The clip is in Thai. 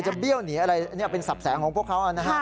เบี้ยวหนีอะไรเป็นสับแสงของพวกเขานะฮะ